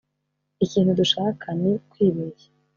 ikintu dushaka ni kwibeshya.